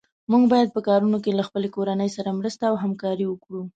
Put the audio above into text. موږ باید په کارونو کې له خپلې کورنۍ سره مرسته او همکاري وکړو.